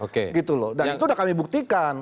dan itu sudah kami buktikan